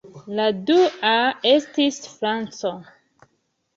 La dua estis franco.